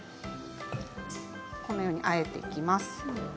このように、あえていきます。